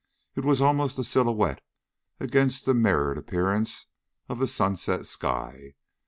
It was almost a silhouette against the mirrored appearance of the sunset sky.